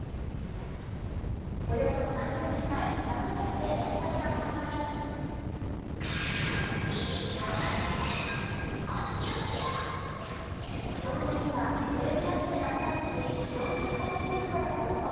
およそ３０年前、「なかよし」で連載が始まり翌年にはテレビアニメがスタートし４０か国以上で放送。